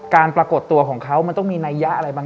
การปรากฏตัวของเขามันต้องมีนัยความอะไร